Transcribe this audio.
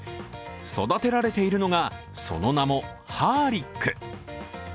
育てられているのがその名も、ハーリック。